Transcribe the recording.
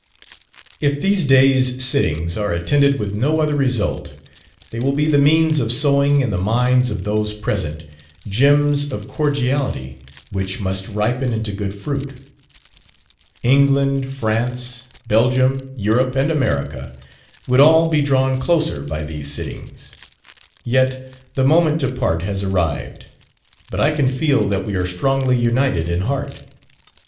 If these days' sittings are attended with no other result, they will be the means of sowing in the minds of those present, gems of cordiality which must ripen into good fruit. England, France, Belgium, Europe, and America, would all be drawn closer by these sittings. Yet the moment to part has arrived, but I can feel that we are strongly united in heart.